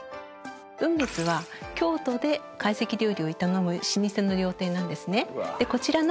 「雲月」は京都で懐石料理を営む老舗の料亭なんですね。